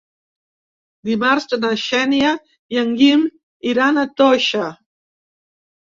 Dimarts na Xènia i en Guim iran a Toixa.